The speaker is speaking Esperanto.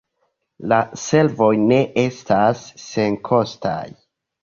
La servoj ne estas senkostaj.